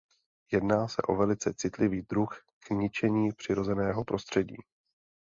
Jedná se o velice citlivý druh k ničení přirozeného prostředí.